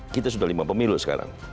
kita sudah lima pemilu sekarang